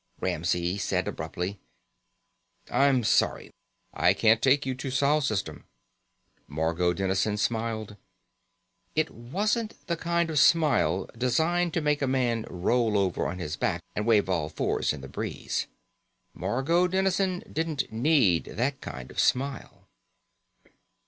Ramsey said abruptly: "I'm sorry. I can't take you to Sol System." Margot Dennison smiled. It wasn't the kind of smile designed to make a man roll over on his back and wave all fours in the breeze. Margot Dennison didn't need that kind of smile.